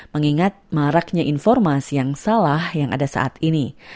mengingat maraknya informasi yang salah yang ada saat ini